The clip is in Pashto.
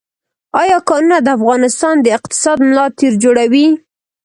آیا کانونه د افغانستان د اقتصاد ملا تیر جوړوي؟